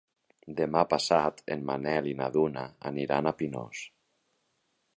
Demà passat en Manel i na Duna aniran a Pinós.